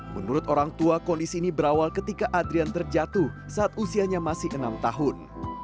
menurut orang tua kondisi ini berawal ketika adrian terjatuh saat usianya masih enam tahun